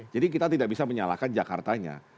jadi kita tidak bisa menyalahkan jakartanya